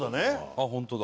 あっホントだ。